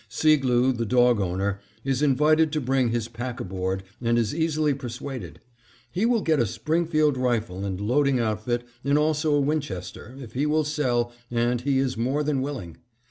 Seegloo, the dog owner, is invited to bring his pack aboard and is easily persuaded. He will get a Springfield rifle and loading outfit and also a Winchester, if he will sell, and he is more than willing.